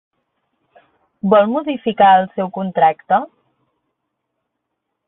Vol modificar el seu contracte?